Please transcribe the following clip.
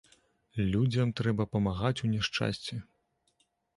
Людзям трэба памагаць у няшчасці.